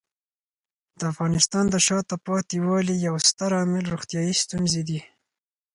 د افغانستان د شاته پاتې والي یو ستر عامل روغتیايي ستونزې دي.